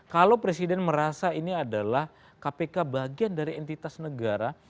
kalau presiden merasa ini adalah kpk bagian dari entitas negara